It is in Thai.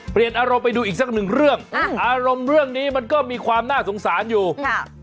เปลี่ยนอารมณ์ไปดูอีกสักหนึ่งเรื่องอ่าอารมณ์เรื่องนี้มันก็มีความน่าสงสารอยู่ค่ะ